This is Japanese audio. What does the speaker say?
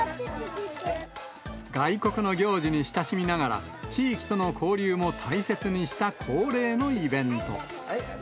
外国の行事に親しみながら、地域との交流も大切にした、恒例のイベント。